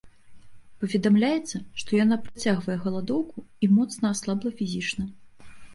Паведамляецца, што яна працягвае галадоўку і моцна аслабла фізічна.